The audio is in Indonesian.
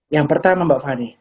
yang pertama mbak fani